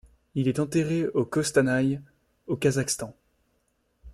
Il est enterré à Kostanaï, au Kazakhstan.